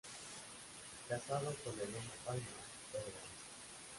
Casado con Elena Palma Torrealba.